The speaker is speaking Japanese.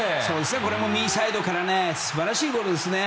これも右サイドから素晴らしいゴールですね。